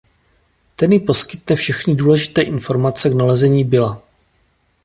Ten jí poskytne všechny důležité informace k nalezení Billa.